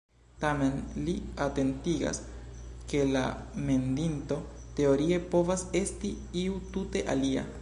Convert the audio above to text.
Tamen li atentigas, ke la mendinto teorie povas esti iu tute alia.